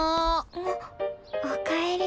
あっおかえり。